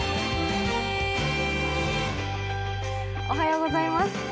おはようございます。